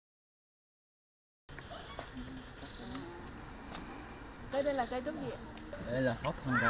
cái này là mình có thể ăn được hả